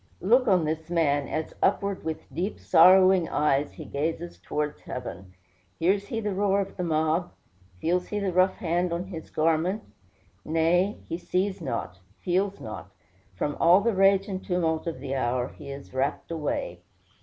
Look on this man, as upward, with deep, sorrowing eyes, he gazes towards heaven. Hears he the roar of the mob? Feels he the rough hand on his garment? Nay, he sees not, feels not: from all the rage and tumult of the hour he is rapt away.